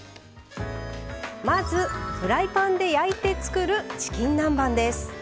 まず、フライパンで焼いて作るチキン南蛮です。